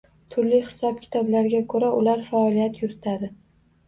Turli hisob-kitoblarga koʻra, ular faoliyat yuritadi.